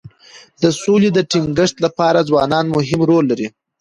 د سولې د ټینګښت لپاره ځوانان مهم رول لري.